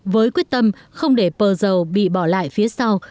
với quyết tâm không để pờ dầu bị bỏ lại phía sau